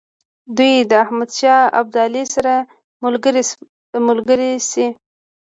دوی د احمدشاه ابدالي سره ملګري شي.